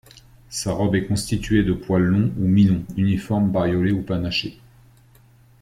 Sa robe est constituée de poils longs ou mi-longs, uniformes, bariolés ou panachés.